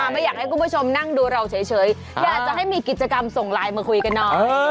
ไม่อยากให้คุณผู้ชมนั่งดูเราเฉยอยากจะให้มีกิจกรรมส่งไลน์มาคุยกันหน่อย